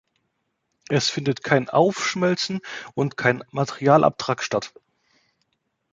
Es findet kein Aufschmelzen und kein Materialabtrag statt.